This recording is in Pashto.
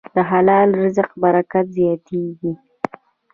د حلال رزق برکت زیاتېږي.